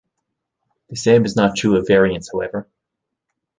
The same is not true of variance, however.